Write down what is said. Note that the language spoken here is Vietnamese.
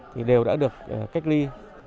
thì đều đã được cách ly